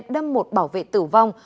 đâm một bảo vệ tử vong